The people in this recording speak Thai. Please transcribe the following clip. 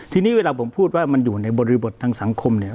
ทีนี้เวลาผมพูดว่ามันอยู่ในบริบททางสังคมเนี่ย